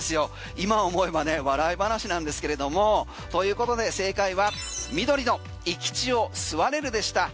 今思えば笑い話なんですけれどもそういうことで正解は緑の生き血を吸われるでした。